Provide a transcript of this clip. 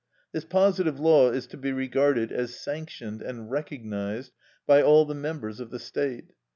This positive law is to be regarded as sanctioned and recognised by all the members of the state.